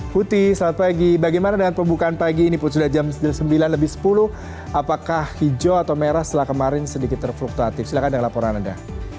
putih selamat pagi bagaimana dengan pembukaan pagi ini pun sudah jam sembilan lebih sepuluh apakah hijau atau merah setelah kemarin sedikit terfluktuatif silahkan dengan laporan anda